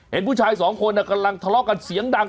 เห็นผู้ชายสองคนกำลังทะเลาะกันเสียงดัง